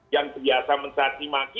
yang biasa mencatimaki